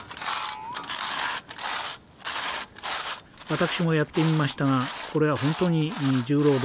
私もやってみましたがこれは本当に重労働です。